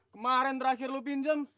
kemaren terakhir lu pinjam